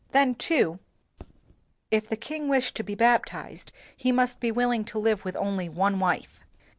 Then, too, if the king wished to be baptized, he must be willing to live with only one wife.